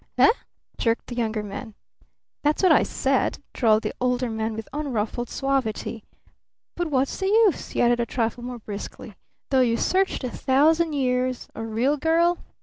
"Eh?" jerked the Younger Man. "That's what I said," drawled the Older Man with unruffled suavity. "But what's the use?" he added a trifle more briskly. "Though you searched a thousand years! A 'real girl'?